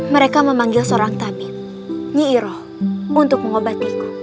mereka memanggil seorang tabib nyi iroh untuk mengobatiku